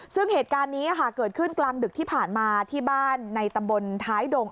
ซึ่งเหตุการณ์นี้เกิดขึ้นกลางดึกที่ผ่านมาที่บ้านในตำบลท้ายดง